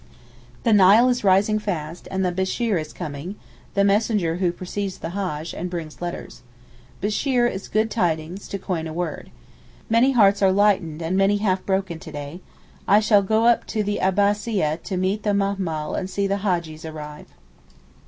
The Nile is rising fast, and the Bisheer is come (the messenger who precedes the Hajj, and brings letters). Bisheer is 'good tidings,' to coin a word. Many hearts are lightened and many half broken to day. I shall go up to the Abassia to meet the Mahmal and see the Hajjees arrive.